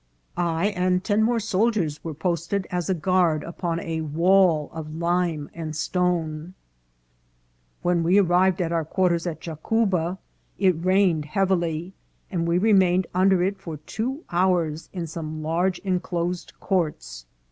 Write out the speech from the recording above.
" I and ten more soldiers were posted as a guard upon a wall of lime and stone" " When we arrived at our quarters at Jacuba it rain ed heavily, and we remained under it for two hours in some large enclosed courts.